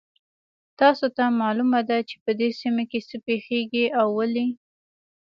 تاسو ته معلومه ده چې په دې سیمه کې څه پېښیږي او ولې